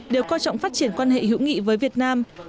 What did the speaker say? đều coi trọng phát triển quan hệ hữu nghị với việt nam